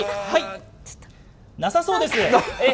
なさそうです。